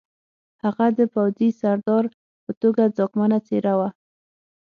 هغه د پوځي سردار په توګه ځواکمنه څېره وه